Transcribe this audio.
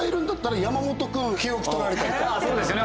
ああそうですよね。